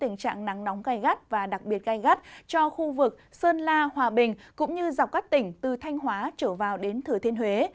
nóng gai gắt và đặc biệt gai gắt cho khu vực sơn la hòa bình cũng như dọc các tỉnh từ thanh hóa trở vào đến thừa thiên huế